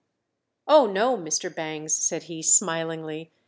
"Oh, no, Mr. Bangs," said he, smilingly.